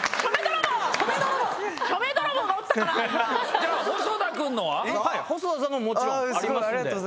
じゃあ細田君のは？細田さんのももちろんありますんで。